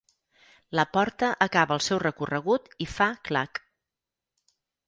La porta acaba el seu recorregut i fa clac.